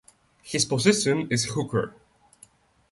His position is hooker.